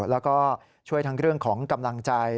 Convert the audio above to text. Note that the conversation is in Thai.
แล้วก็ช่วยทั้งเรื่องของกำลังใจ